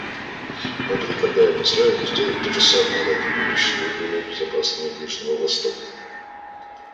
Мы предлагаем Израилю сделать то же самое ради будущего и более безопасного Ближнего Востока.